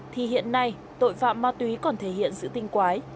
thì hiện nay tội phạm ma túy còn thể hiện sự tinh quái